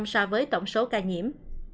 một chín so với tổng số ca nhiễm